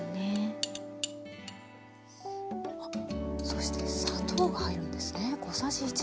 そして砂糖が入るんですね。